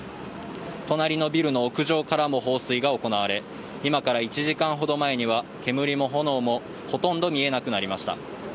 隣のビルの屋上からも放水が行われ今から１時間ほど前には煙も炎もほとんど見えなくなりました。